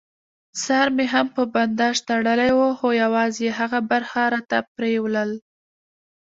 سر مې هم په بنداژ تړلی و، خو یوازې یې هغه برخه راته پرېولل.